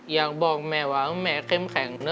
อยากบอกแม่ว่าแม่เข้มแข็ง